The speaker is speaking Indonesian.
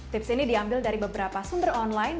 tips ini diambil dari beberapa sumber online